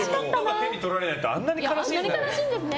手に取られないとあんなに悲しいんだね。